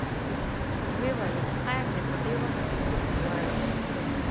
وویل خیر دی په دې وخت کې څوک غواړې.